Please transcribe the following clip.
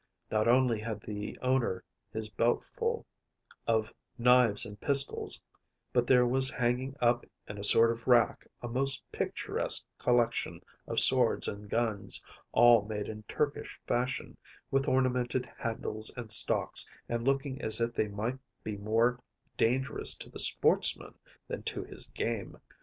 Not only had the owner his belt full of knives and pistols, but there was hanging up in a sort of rack a most picturesque collection of swords and guns‚ÄĒall made in Turkish fashion, with ornamented handles and stocks, and looking as if they might be more dangerous to the sportsman than to his game.